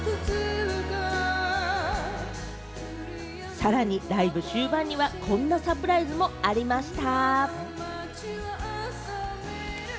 さらにライブ終盤にはこんなサプライズもありました。